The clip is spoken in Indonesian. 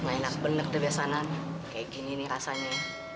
ya enak benar deh biasanya kayak gini nih rasanya